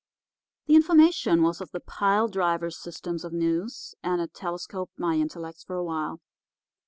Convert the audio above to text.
The information was of the pile driver system of news, and it telescoped my intellects for a while.